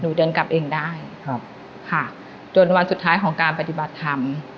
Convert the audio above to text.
เดินกลับเองได้ครับค่ะจนวันสุดท้ายของการปฏิบัติธรรม